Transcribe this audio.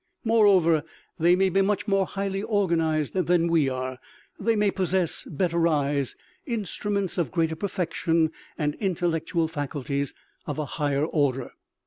Moreover, they may be much more highly organized than we are, they may possess better eyes, instruments of greater perfection, and intellectual faculties of a higher order.